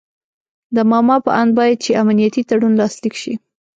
د ماما په آند باید چې امنیتي تړون لاسلیک شي.